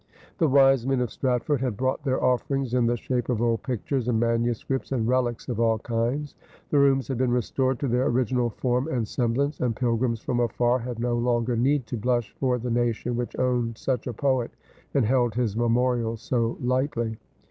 The wise men of Stratford had brought their offerings, in the shape of old pictures, and manuscripts, and relics of all kinds ; the rooms had been restored to their original form and sem blance ; and pilgrims from afar had no longer need to blush for the nation which owned such a poet and held his memorials so lightly.